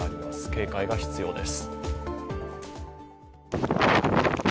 警戒が必要です。